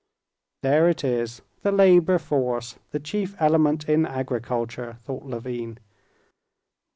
"There it is—the labor force—the chief element in agriculture," thought Levin.